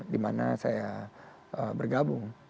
di mana saya bergabung